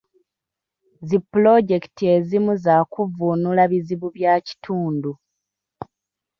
Zi pulojekiti ezimu za kuvvuunula bizibu bya kitundu.